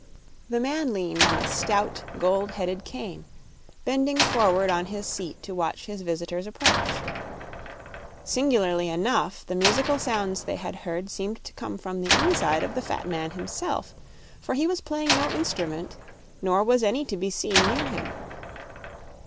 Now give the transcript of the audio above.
The man leaned on a stout gold headed cane, bending forward on his seat to watch his visitors approach. Singularly enough, the musical sounds they had heard seemed to come from the inside of the fat man himself; for he was playing no instrument nor was any to be seen near him.